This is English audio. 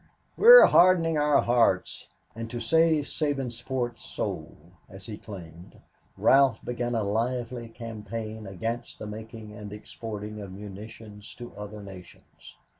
"We're hardening our hearts," and to save Sabinsport's soul, as he claimed, Ralph began a lively campaign against the making and exporting of munitions to other nations.